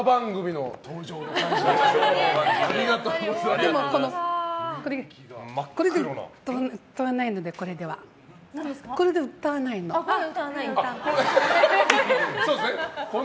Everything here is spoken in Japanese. でも、これでは歌わないの。